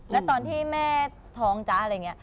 แล้วตอนที่แม่ท้องจ๊ะอะไรอย่างนี้